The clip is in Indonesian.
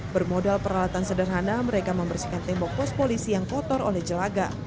bermodal peralatan sederhana mereka membersihkan tembok pos polisi yang kotor oleh jelaga